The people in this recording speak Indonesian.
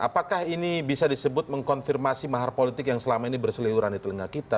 apakah ini bisa disebut mengkonfirmasi mahar politik yang selama ini berseliuran di telinga kita